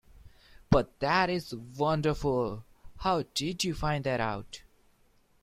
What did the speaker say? But that is wonderful! How did you find that out?